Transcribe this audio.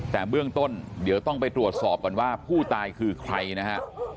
แต่เบื้องต้นเดี๋ยวต้องไปตรวจสอบก่อนว่าผู้ตายคือใครนะฮะ